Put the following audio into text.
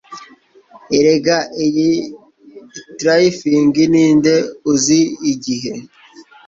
Erega iyi ni Tyrfing ninde uzi igihe